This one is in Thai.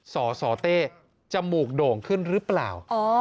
สสเต้จมูกโด่งขึ้นหรือเปล่า